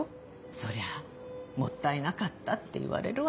そりゃあもったいなかったって言われるわよ。